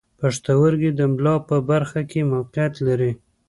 پښتورګي د ملا په برخه کې موقعیت لري.